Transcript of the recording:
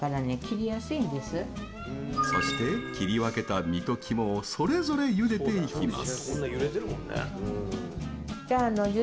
そして、切り分けた身と肝をそれぞれゆでていきます。